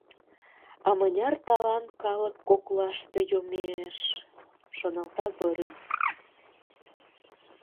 «А мыняр талант калык коклаште йомеш, — шоналта Зорин.